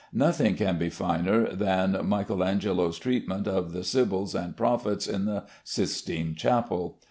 Nothing can be finer than M. Angelo's treatment of the sybils and prophets in the Sistine Chapel.